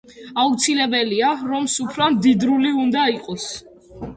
აუცილებელია, რომ სუფრა მდიდრული უნდა იყოს.